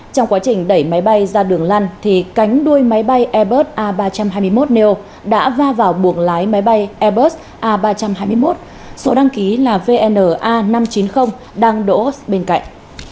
trong quá trình đẩy máy bay ra đường lăn cánh đuôi máy bay airbus a ba trăm hai mươi một neo đã va vào buồng lái máy bay airbus a ba trăm hai mươi một số đăng ký là vna năm trăm chín mươi đang đỗ bên cạnh